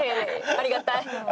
ありがたい。